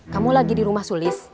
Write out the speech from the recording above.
kamu lagi di rumah sulis